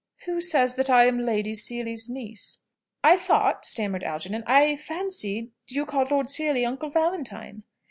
"Who says that I am Lady Seely's niece?" "I thought," stammered Algernon "I fancied you called Lord Seely 'Uncle Valentine?'"